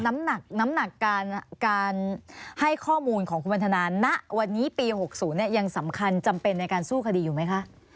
น้ำหนักการให้ข้อมูลของคุณวันทนาณวันนี้ปี๖๐ยังสำคัญจำเป็นในการสู้คดีอยู่ไหมคะ